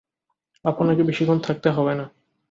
আপনাকে বেশিক্ষণ থাকতে হবে না।